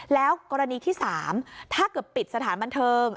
แล้วกรณีที่๓ถ้าเกิดปิดสถานบันเทิง